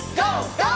ＧＯ！